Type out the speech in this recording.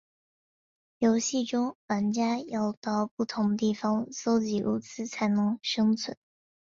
游戏中玩家要到不同地方搜集物资才能生存。